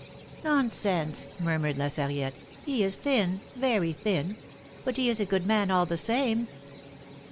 "Nonsense," murmured La Sarriette, "he is thin, very thin ; but he is a good man all the same."